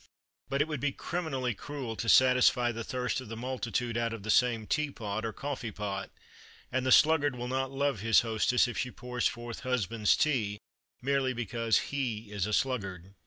But it would be criminally cruel to satisfy the thirst of the multitude out of the same tea pot or coffee pot; and the sluggard will not love his hostess if she pours forth "husband's tea," merely because he is a sluggard.